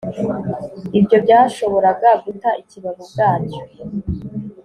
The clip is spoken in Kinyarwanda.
Ibyo byashoboraga guta ikibabi ubwacyo